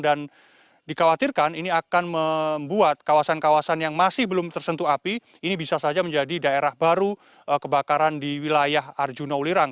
dan dikhawatirkan ini akan membuat kawasan kawasan yang masih belum tersentuh api ini bisa saja menjadi daerah baru kebakaran di wilayah arjuna ulirang